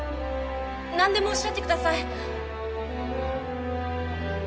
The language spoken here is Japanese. なんでもおっしゃってください。